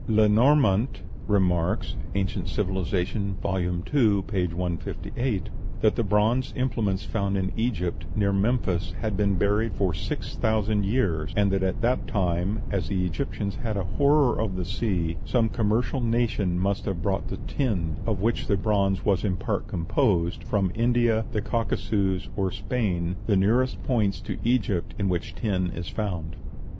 Lenormant remarks ("Anc. Civil.," vol. ii., p. 158) that the bronze implements found in Egypt, near Memphis, had been buried for six thousand years; and that at that time, as the Egyptians had a horror of the sea, some commercial nation must have brought the tin, of which the bronze was in part composed, from India, the Caucasus, or Spain, the nearest points to Egypt in which tin is found.